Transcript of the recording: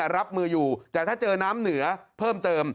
รับมืออยู่แต่ถ้าเจอน้ำเหนือเพิ่มเติม